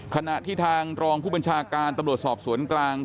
ขณะที่ทางรองผู้บัญชาการตำรวจสอบสวนกลาง